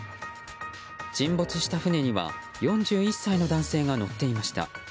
沈没した船には４１歳の男性が乗っていました。